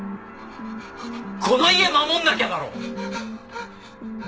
この家守んなきゃだろ！